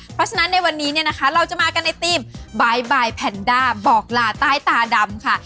เพราะฉะนั้นในวันนี้เนี่ยนะคะเราจะมากันในทีมบายแพนด้าบอกลาใต้ตาดำค่ะ